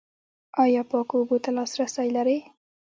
ایا پاکو اوبو ته لاسرسی لرئ؟